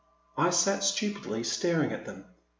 I sat stupidly staring at them.